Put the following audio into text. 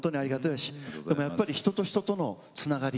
でもやっぱり人と人とのつながり